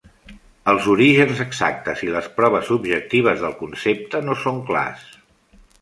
Els orígens exactes i les proves objectives del concepte no són clars.